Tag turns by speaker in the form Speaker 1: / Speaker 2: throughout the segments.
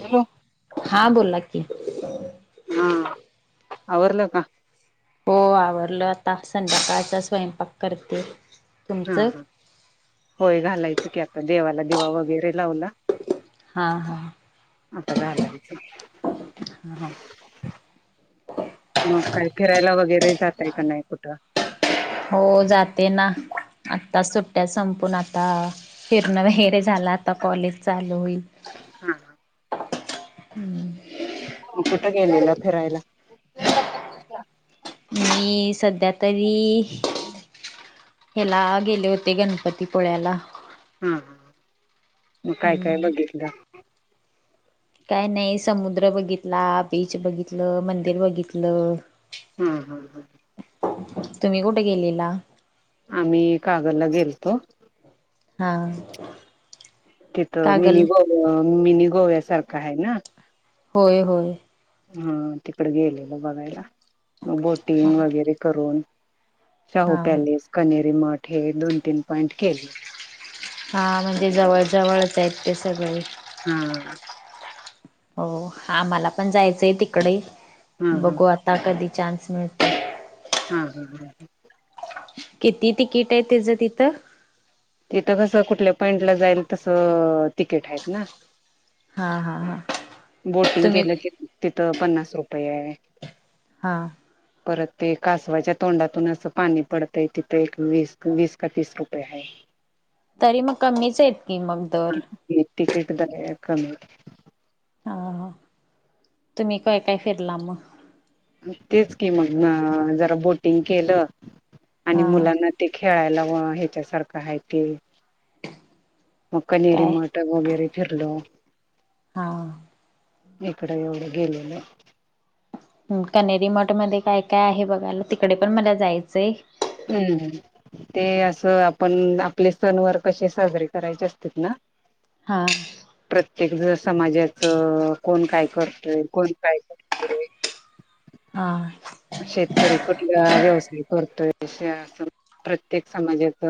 Speaker 1: Hello
Speaker 2: हा बोला की
Speaker 1: हा आवरलं का?
Speaker 2: हो आवरलं आता, संध्याकाळचा स्वयंपाक करते.
Speaker 1: हा,
Speaker 2: तुमचं
Speaker 1: हा, होय घालायचं की आता, देवाला दिवा वगैरे लावला.
Speaker 2: हा, हा,
Speaker 1: मठ का झाला.
Speaker 2: हा
Speaker 1: मग काय फिरायला वगैरे जातय का नाही कुठं?
Speaker 2: हो, जाते ना. आत्ता सुट्ट्या संपून, आता फिरण वैगरे झाला, आता कॉलेज चालू होईल.
Speaker 1: हम ह [unintelligible]
Speaker 2: हम्म.
Speaker 1: कुठं गेलेला फिरायला?
Speaker 2: मी सध्या तरी हेला गेले होते, गणपतीपुळ्याला.
Speaker 1: हा, ह. मग काय काय
Speaker 2: हम्म.
Speaker 1: बघितिलं?
Speaker 2: काय नाही, समुद्र बघितला, बीच बघितलं, मंदिर बघितलं.
Speaker 1: हम्म, हम्म, हम्म.
Speaker 2: तुम्ही कुठं गेलेला?
Speaker 1: आम्ही कागलला गेलतो.
Speaker 2: हा.
Speaker 1: तिथं
Speaker 2: कागल
Speaker 1: मिनी गोव, मिनी गोव्यासारखं आहे ना.
Speaker 2: होय, होय.
Speaker 1: हा, तिकडं गेलेलो बघायला. मग
Speaker 2: हा
Speaker 1: बोटिंग वगैरे करून, शाहू
Speaker 2: हा
Speaker 1: पॅलेस, कणेरी मठ, हे दोन तीन पॉइंट केले.
Speaker 2: हां, म्हणजे जवळ जवळच आहेत ते सगळे.
Speaker 1: हां.
Speaker 2: हो, हाम्हाला पण जायचंय तिकडे.
Speaker 1: हा हा
Speaker 2: बघू आता कधी चान्स मिळतोय.
Speaker 1: हा, हा, हं.
Speaker 2: किती तिकीट आहे तेझ तिथं?
Speaker 1: तिथं कसं कुठल्या पॉईंटला जाईल तसं तिकीट आहेत ना.
Speaker 2: हा, हा, हां.
Speaker 1: बोटिंग केलं की तिथं पन्नास रुपये आहे.
Speaker 2: हा.
Speaker 1: परत ते कासवाच्या तोंडातून असं पाणी पडतंय, तिथं एक वीस वीस का तीस रुपये हाय.
Speaker 2: तरी मग कमीच आहेत की मग दर.
Speaker 1: आहे एक तिकीट दर कमी होती.
Speaker 2: हा, हं. तुम्ही काय काय फिरला मग?
Speaker 1: तेच कि, मग न जरा बोटिंग केलं आणि
Speaker 2: हा
Speaker 1: मुलांना ते खे खेळायला [unintelligible] ह्याच्यासारखं आहे ते. मग कणेरी
Speaker 2: काय
Speaker 1: मठत वगैरे फिरलो.
Speaker 2: हां.
Speaker 1: इकडं एवढं गेलेलं.
Speaker 2: हं, कणेरी मठ मध्ये काय काय आहे बघायला? तिकडे पण मला जायचंय.
Speaker 1: हम्म, हं. ते असं आपण आपले सणवार कशे साजरे करायचे असतेत ना.
Speaker 2: हा.
Speaker 1: एक दिवस समाजाचं. कोण काय करतोय, कोण काय करतोय.
Speaker 2: हां.
Speaker 1: घरी कुठला व्यवसाय करतोय. अशे असणार प्रत्येक समाजात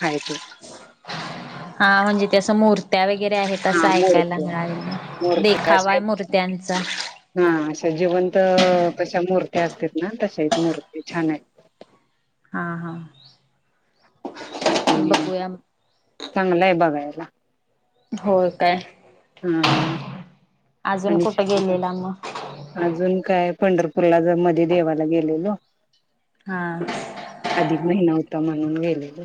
Speaker 1: हाय ते.
Speaker 2: हा, म्हणजे ते असं मूर्त्या वे गैरे आहे,
Speaker 1: हा
Speaker 2: तसं ऐकायला
Speaker 1: मूर्ती
Speaker 2: मिळाले.
Speaker 1: मूर्ती
Speaker 2: देखावा
Speaker 1: अशा
Speaker 2: आहे मूर्त्यांचा.
Speaker 1: हा, अशा जिवंत हो, कशा मूर्ती असत्यात ना, तशाही मूर्ती छान आहेत.
Speaker 2: हां, हा.
Speaker 1: तसेही
Speaker 2: बघूया
Speaker 1: चांगलं आहे बघायला.
Speaker 2: हो, काय.
Speaker 1: हां, आ.
Speaker 2: अजून
Speaker 1: आणि
Speaker 2: कुठं गेलेला मग
Speaker 1: [inaudible] अजून काय आहे पंढर पुुलाज मध्ये देवाला गेलेलो.
Speaker 2: हां.
Speaker 1: त मणून गलेलं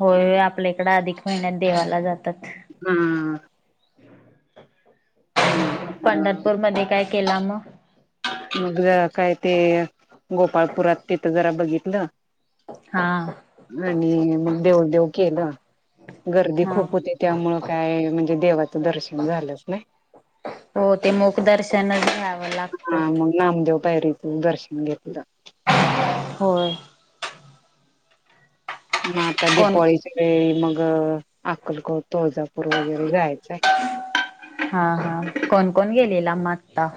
Speaker 2: होय आपल्या इकड अधिक महिन्यात देवाला जातात
Speaker 1: हम्म हा
Speaker 2: पंढरपूर मध्ये काय केला मग
Speaker 1: मग काय ते गोपाळपुरात तिथं जरा बघितलं
Speaker 2: हा
Speaker 1: आणि मग देव देेव केलं गर्दी
Speaker 2: हा
Speaker 1: खूप होते त्यामु काय म्ह म्हणे देवाचं दर्शन झालंच नाही
Speaker 2: हो ते मोक दर्शन घ्यावें
Speaker 1: हा मग नामदेव पायरीचं दर्शन घेतलं
Speaker 2: होय
Speaker 1: मग आता
Speaker 2: कोण
Speaker 1: दिपवाळीच्या वेळी मग अक्कलकोट तुळजापूर वगैरे जायचंय
Speaker 2: हा हा कोण कोण गेलेला मग आत्ता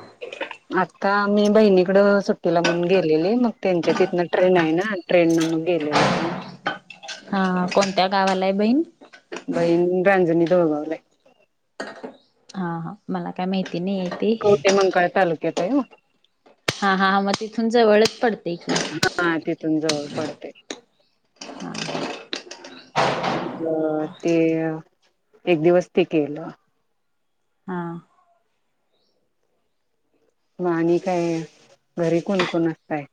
Speaker 1: आत्ता मी बहिणीकडं सुट्टीला म्हणून गेलेले मग त्यांच्या तिथंन ट्रेन आहे ना ट्रेननं मग गेलेलो आम्ही
Speaker 2: हा हा कोणत्या गावालाय बहीण
Speaker 1: बहीण रांजणी धुळगावलाय
Speaker 2: हा हा मला काय माहिती नाही आहे ते
Speaker 1: कवठेमंकाळ तालुक्यात आहे ओ
Speaker 2: हा हा हा मग तिथून जवळच पडतंय की
Speaker 1: हा तिथून जवळ पडते
Speaker 2: हा
Speaker 1: अ ते एक दिवस ते केलं
Speaker 2: हा
Speaker 1: मग आणि काय घरी कोणकोण असताय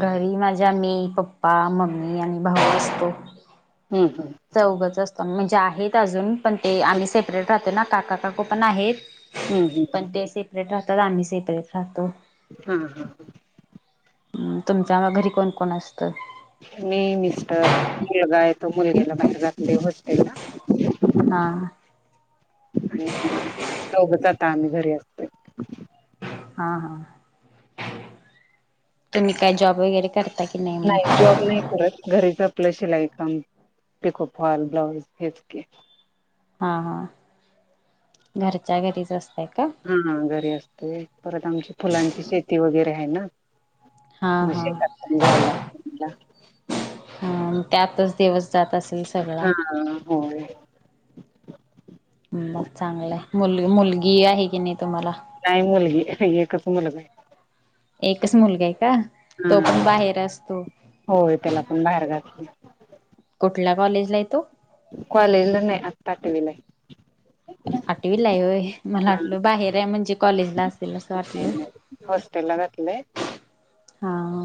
Speaker 2: घरी माझ्या मी पप्पा मम्मी आणि भाऊ असतो
Speaker 1: हम्म हम्म
Speaker 2: चौघच असतो म्हणजे आहेत अजून पण ते आम्ही सेपरेट राहतो ना काका काकू पण आहेत
Speaker 1: हम्म
Speaker 2: पण
Speaker 1: हम्म
Speaker 2: ते सेपरेट राहतात आम्ही सेपरेट राहतो
Speaker 1: हा हा
Speaker 2: तुमच्या घरी कोण कोण असत
Speaker 1: मी मिस्टर मुलगा आहे तो मुलग्याला बाहेर घातलयं होस्टेल ला
Speaker 2: हा
Speaker 1: आणि दोघच आम्ही आता आम्ही घरी असतोय
Speaker 2: हा हा तुम्ही काय जॉब वगैरे करता की मग
Speaker 1: नाही जॉब नाही करत घरीच आपलं शिलाई काम पिको फॉल ब्लाऊज हेेच की
Speaker 2: हा हा घरच्या घरीच असताय
Speaker 1: हा घरी असते परत आमची फुलांची शेती वगैरे आहे ना
Speaker 2: हा
Speaker 1: मग
Speaker 2: हा
Speaker 1: शेतात पण जायला लागतंय आम्हाला
Speaker 2: हा त्यातच दिवस जात असेल सगळा
Speaker 1: हा होय
Speaker 2: मग कीनी तुम्हाला
Speaker 1: नाही मुलगी एकच मुलगा आहे
Speaker 2: एकच मुलगा आहे का तो
Speaker 1: हा
Speaker 2: पण बाहेर असतो
Speaker 1: होय त्याला पण बाहेर घातलं
Speaker 2: कुठल्या कॉलेजलाय तो
Speaker 1: कॉलेजला नाही आत्ता आठवीला आहे
Speaker 2: आठवीला होय मला
Speaker 1: हा.
Speaker 2: वाटलं बाहेर आहे म्हणजे कॉलेज ला असेल असं वाटलं
Speaker 1: हॉस्टेल ला घातलंय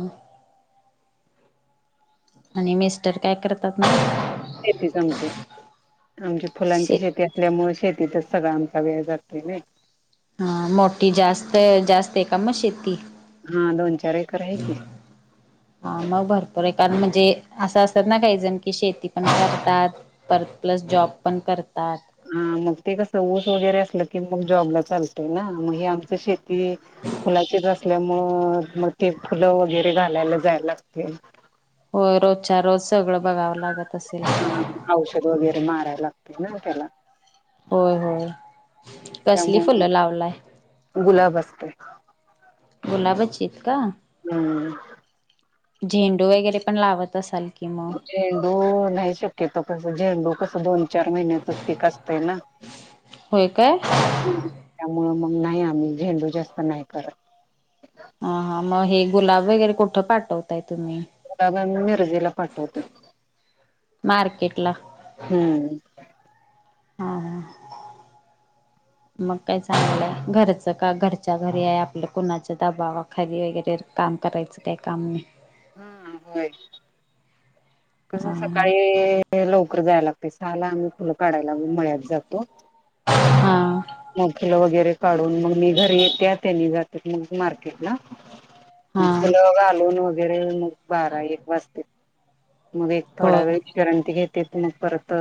Speaker 2: ह आणि मिस्टर काय करतात मग
Speaker 1: शेतीच आमची आमची
Speaker 2: शे
Speaker 1: फुलांची शेती असल्यामुळे शेती तिथंच सगळा आमचा वेळ जातोय नाही
Speaker 2: हा मोठी जास्त जास्त आहे का म शेती
Speaker 1: हा दोन चार एकर आहे की
Speaker 2: हा मग भरपूर आहे कारण म्हणजे असं असतात‌ ना काहीजण की शेती पण करतात परत प्लस जॉब पण करतात.
Speaker 1: हा मग ते कसं ऊस वगैरे असलं की मग जॉबला चालतंय ना मग हे आमच शे ती फुलाचीच अस. ल्यामुळं मग ते फुलं वगैरे घालायला जायला लागतंय.
Speaker 2: होय रोजच्या रोज सगळं बघावं लागत. असेल
Speaker 1: हा औषध वगैरे माराय लागतंय ना त्याला
Speaker 2: होय होय कसली
Speaker 1: त्यामुळं
Speaker 2: फुलं लावलाय
Speaker 1: मग गुलाब असतोय.
Speaker 2: गुलाबाची आहेत का?
Speaker 1: हम्
Speaker 2: झेंडू वगैरे पण लावत असाल की मग
Speaker 1: झेंडू नाही शक्यतो कस झेंडू कसं दोन चार महिन्याच पीक असतय ना
Speaker 2: होय काय
Speaker 1: त्यामूळ म नाही आम्ही झेंडू जास्त नाही करत
Speaker 2: हा हा म हे गुलाब वगैरे कुठं पाठवताय? तुम्ही
Speaker 1: गुलाब आणि [unintelligible] [unintelligible] पाठवतोय
Speaker 2: मार्केटला
Speaker 1: हम्
Speaker 2: हा हा
Speaker 1: [unintelligible]
Speaker 2: मग काय चांलंय घरचं का घरच्या घरी आहे आपल कुणाच्या दबावाखाली वगैरे का काम करायचं काय काम नाही.
Speaker 1: हम् होय कस सकाळी लवकर जायला लागतय सहाला आ फुल काढायला मी मळ्यात जातो.
Speaker 2: हा
Speaker 1: मगं फूलं वगैरे काढून मग मी घरी येते त्यांनी जातेत मग मार्केटला
Speaker 2: हा
Speaker 1: फूलं घालून वगैरे मग बारा एक वाजतेत. मग एक थोडा
Speaker 2: होय
Speaker 1: वेळ विश्रांती घेतेेत मग परत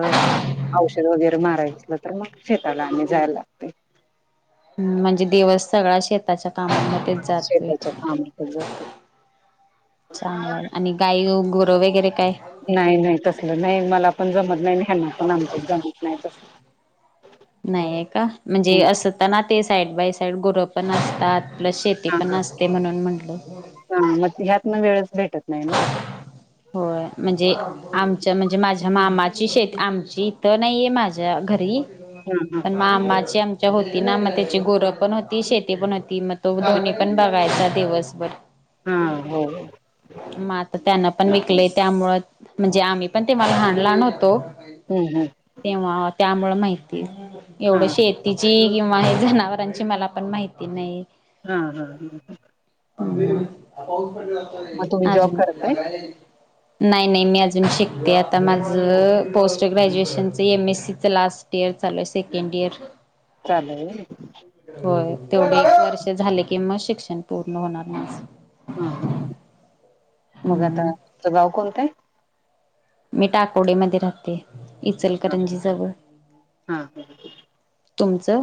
Speaker 1: औषध वगैरे मारायच असलं तर मग शेताला आणि जायला लागतय
Speaker 2: हू म्हणजे दिवस सगळा शेताच्या कामामध्येच जातोय
Speaker 1: शेताच्या कामात जाते.
Speaker 2: चांगला आहे आणि गाई गुर वगैरे काय
Speaker 1: नाही नाही तसलं नाही मला पण जमत नाही आणि हेनापण आमच्या जमत नाही तस
Speaker 2: नाहीे हे का म्हणजे असताना ते साईड बाय साईड गुरं पण असतात आपलं शेती
Speaker 1: हा
Speaker 2: पण असतय म्हणून म्हटल
Speaker 1: हा मग ह्यातन वेळच भेटत नाही ना
Speaker 2: होय म्हणजे आमच्या म्हणजे माझ्या मामा ची शेत आमची इथ नाहीये माझ्या घरी
Speaker 1: हा
Speaker 2: पण मामाची आमच च्या होती ना म तेची गुरपण होती शेती पण होती म तो
Speaker 1: हा
Speaker 2: दोन्ही पण बघायचा दिवसभर
Speaker 1: हा होय
Speaker 2: म आता त्यांना पण विकलय त्यामुळं म्हणजे आम्ही पण तेव्हा लहान लहान होतो.
Speaker 1: हम्म हम्म
Speaker 2: तेव्हा त्यामूळ माहिती
Speaker 1: हा
Speaker 2: एवढं शेतीची किंव्हा जनावरांची मला पण माहिती नाही.
Speaker 1: हा हा हम. तुम्ही जॉब
Speaker 2: आजून
Speaker 1: करताय
Speaker 2: नाही नाही मी आजून शिकते आता माझं पोस्ट ग्रॅज्युएशनच एम. एस. सी. चं लास्ट इयर चालू ये सेकंड इयर
Speaker 1: चालू हाय व्हय.
Speaker 2: तेवढ एक वर्ष झाल की म शिक्षण पूर्ण होणार नाही असं.
Speaker 1: हा मग
Speaker 2: हम्म
Speaker 1: आता तुझं गाव कोणतं आहे?
Speaker 2: मी टाकोडी मध्ये राहते. इचलकरंजीजवळ
Speaker 1: हा
Speaker 2: तुमचं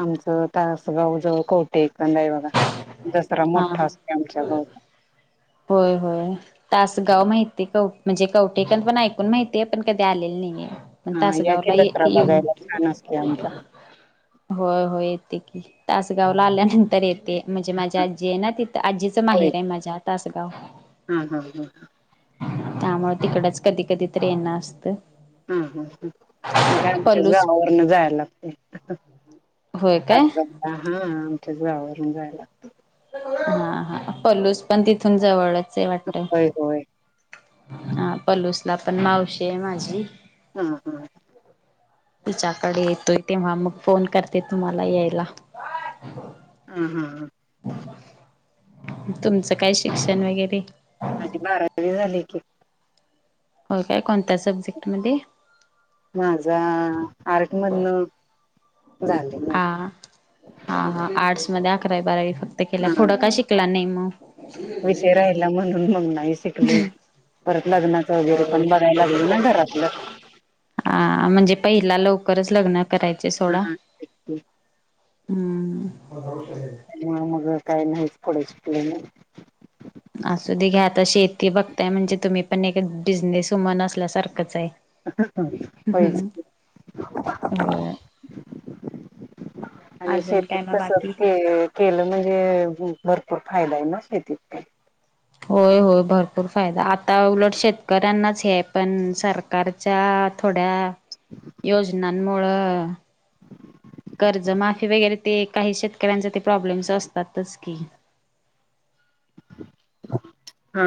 Speaker 1: आमचं तासगाव जवळ कोटे कणेरी दसरा
Speaker 2: हा
Speaker 1: मोठा
Speaker 2: हा
Speaker 1: असतय आमच्या गावात
Speaker 2: होय होय तासगाव माहितीे हे का ओ म्हणजे कौठेकण पण ऐकून माहितीय पण कधी आलेली नाहीये मी. पण
Speaker 1: हा या
Speaker 2: तासगावला
Speaker 1: की
Speaker 2: ये
Speaker 1: दसरा
Speaker 2: येऊन
Speaker 1: बघायला छान असते आमचा.
Speaker 2: होय होय. येते की तासगावला आल्यानंतर येते म्हणजे माझ्या आजी आहे ना तिथं आजीचं माहेर आहे माझ्या तासगाव
Speaker 1: हम् हम् हम्.
Speaker 2: त्यामुळे तिकडच कधी कधी तरी येणं असतं.
Speaker 1: हुं, हुं, हुं मग आमच्याच
Speaker 2: पलूस
Speaker 1: गावावरन जायला लागतय.
Speaker 2: होय काय
Speaker 1: आ हा आमच्या गवरून जायलात.
Speaker 2: हा हा पलूस पण तिथून जवळच. आहे वाटत
Speaker 1: होय होय.
Speaker 2: हा पलूस ला पण मावशी माझी.
Speaker 1: हा हा.
Speaker 2: तुच्याकडे येतोय तेव्हा मग फोन करते तुम्हाला यायला.
Speaker 1: ह हा ह.
Speaker 2: तुमचं काय शिक्षण वगैरे
Speaker 1: माझे बारावीारी झाले की
Speaker 2: हो काय कोणत्या सब्जेक्ट मध्ये.
Speaker 1: माझा आर्टमधनं.
Speaker 2: हा हा हा आर्टस मध्ये अकरावी बारावी फक्त केल्या
Speaker 1: हा
Speaker 2: पुढं का शिकला नाही. मग
Speaker 1: विषय राहिला म्हणून नाही शकलो. परत लगनाच वगैरे पण बघायलागेल ना घरातलं.
Speaker 2: हा म्हणजे पहिला लवकरच लग्न करायचे सोडा.
Speaker 1: हा
Speaker 2: हम्म.
Speaker 1: म मग काय नाही पुढे शिकलो नाही.
Speaker 2: असु दे घ्या आता शेती बघताय म्हणजे तुम्ही पण एक बिझनेस उमन असल्यासारखंच आहे.
Speaker 1: होच.
Speaker 2: होय.
Speaker 1: आणि
Speaker 2: अजून
Speaker 1: शेतीत
Speaker 2: काय मग
Speaker 1: तस
Speaker 2: बाकी?
Speaker 1: के केलं म्हणजे भरपूर फायदा आहे ना. शेती.
Speaker 2: होय होय भरपूर फायदा आता उलट शेतकऱ्यांनाच हे पण सरकारच्या. थोड्या योजनांमुळे कर्ज माफी वगैरे ते काही शेतकऱ्यांचे ते प्रॉब्लेम्स असतातच की.
Speaker 1: हा.